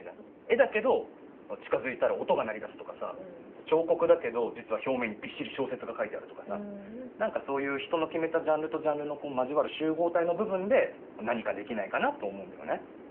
絵だけど近づいたら音が鳴り出すとかさ彫刻だけどじつは表面にびっしり小説が書いてあるとかさなんかそういう人の決めたジャンルとジャンルの交わる集合体の部分で何かできないかなと思うんだよね。